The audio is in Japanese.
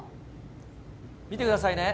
見てくださいね。